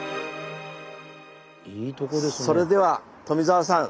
それでは富澤さん